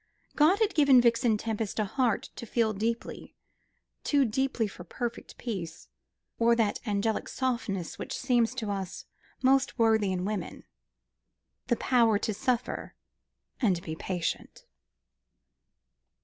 God had given Violet Tempest a heart to feel deeply, too deeply for perfect peace, or that angelic softness which seems to us most worthy in woman the power to suffer and be patient.